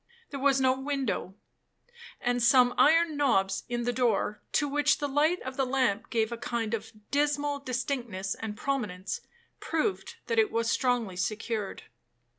There was no window; and some iron knobs in the door, to which the light of the lamp gave a kind of dismal distinctness and prominence, proved that it was strongly secured.